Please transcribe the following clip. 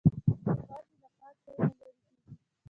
غوماشې له پاک ځای نه لیري کېږي.